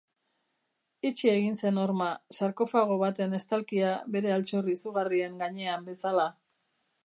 Itxi egin zen horma, sarkofago baten estalkia bere altxor izugarrien gainean bezala.